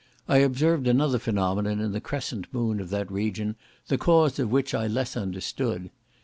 I observed another phenomenon in the crescent moon of that region, the cause of which I less understood.